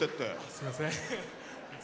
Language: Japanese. すいません。